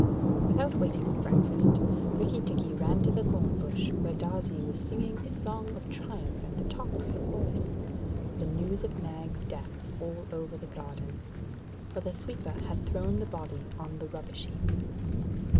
Without waiting for breakfast, Rikki tikki ran to the thorn bush where Darzee was singing a song of triumph at the top of his voice. The news of Nag's death was all over the garden, for the sweeper had thrown the body on the rubbish heap.